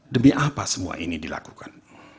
demi apa semua ini dilakukan